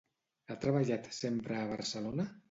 Ha treballat sempre a Barcelona?